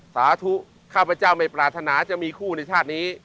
สาธุข้าพเจ้าไม่ปรารถนาจะมีคู่ในชาตินี้